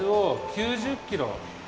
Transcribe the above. ９０キロ！